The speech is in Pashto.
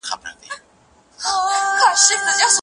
د شیطان په خبره نه عمل کېږي.